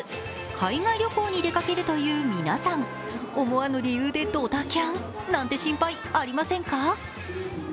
海外旅行に出かけるという皆さん、思わぬ理由でドタキャンなんて心配ありませんか。